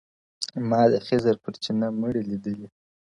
• ما د خضر پر چینه مړي لیدلي -